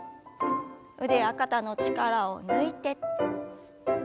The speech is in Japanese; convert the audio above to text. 腕や肩の力を抜いて。